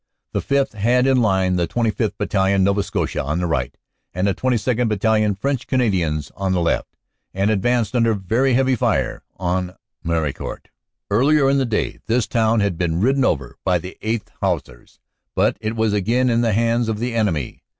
The 5th. had in line the 25th. Battalion, Nova Scotia, on the right, and the 22nd. Battalion, French Canadians, on the left, and advanced under very heavy fire on Meharicourt. Earlier in the day this town had been ridden over by the 8th. Hussars, but it was again in the hands of the enemy.